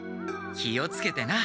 気をつけてな。